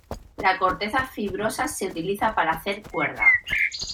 La corteza fibrosa se utiliza para hacer cuerda.